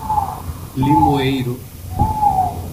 Limoeiro